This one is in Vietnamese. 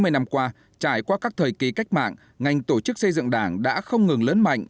sáu mươi năm qua trải qua các thời kỳ cách mạng ngành tổ chức xây dựng đảng đã không ngừng lớn mạnh